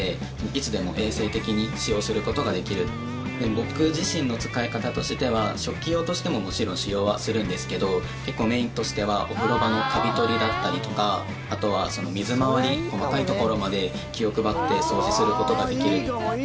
僕自身の使い方としては食器用としてももちろん使用はするんですけどメインとしてはお風呂場のカビ取りだったりとかあとは水回りの細かいところまで気を配って掃除することができる。